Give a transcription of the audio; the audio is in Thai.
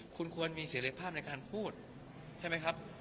คุณควรมีเสร็จภาพในการพูดใช่ไหมครับ